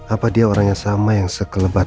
apa dia orangnya sama yang sekelebat